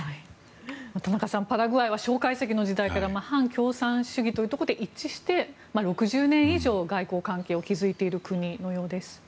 田中さん、パラグアイは蒋介石の時代から、反共産主義で一致して６０年以上外交関係を築いている国のようです。